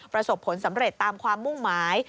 ประสบผลสำเร็จตามความมุ่งหมาย